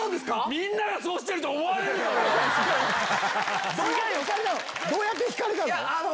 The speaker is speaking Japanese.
みんながそうしてると思われどうやって引かれたの？